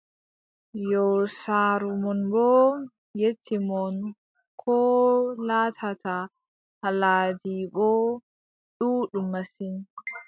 Yoo saaro mon boo yecci mon koo laatata, haalaaji boo ɗuuɗɗum masin.